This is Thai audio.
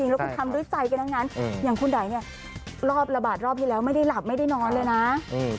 แล้วคุณทำด้วยใจกันทั้งนั้นอย่างคุณไดเนี่ยรอบระบาดรอบที่แล้วไม่ได้หลับไม่ได้นอนเลยนะ